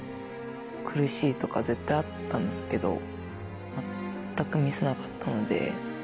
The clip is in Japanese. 苦しいとか絶対あったんですけど、全く見せなかったので。